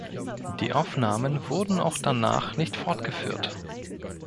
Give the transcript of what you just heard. Die Aufnahmen wurden auch danach nicht fortgeführt.